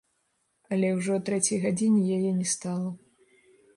Але ўжо а трэцяй гадзіне яе не стала.